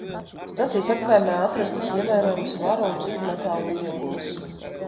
Stacijas apkaimē atrastas ievērojamas vara un citu metālu iegulas.